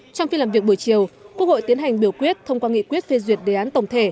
trong phiên làm việc buổi chiều quốc hội tiến hành biểu quyết thông qua nghị quyết phê duyệt đề án tổng thể